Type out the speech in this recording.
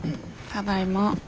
ただいま。